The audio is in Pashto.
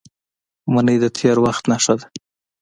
منی د تېر وخت نښه ده